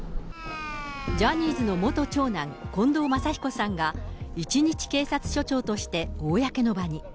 ジャニーズの元長男、近藤真彦さんが、一日警察署長として公の場に。